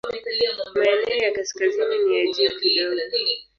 Maeneo ya kaskazini ni ya juu kidogo.